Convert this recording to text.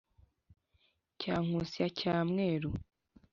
cya nkusi ya cyarweru